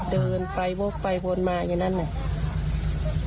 เดินไปวกไปวนมาอย่างนั้นเนี่ย